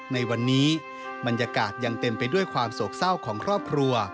ในวันนี้บรรยากาศยังเต็มไปด้วยความโศกเศร้าของครอบครัว